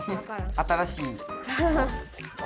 新しい子。